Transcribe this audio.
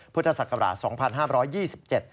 พุทธศักราช๒๕๒๗